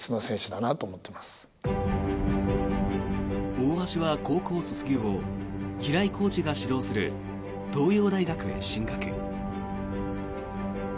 大橋は高校卒業後平井コーチが指導する東洋大学へ進学。